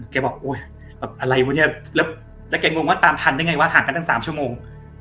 บอกโอ๊ยแบบอะไรวะเนี่ยแล้วแกงงว่าตามทันได้ไงวะห่างกันตั้ง๓ชั่วโมง